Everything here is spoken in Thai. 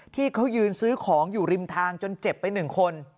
ที่เขายืนซื้อของอยู่ริมทางจนเจ็บไป๑คน